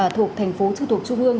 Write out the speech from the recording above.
thuộc thành phố trực thuộc trung ương